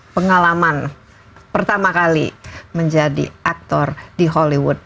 pengalaman pertama kali menjadi aktor di hollywood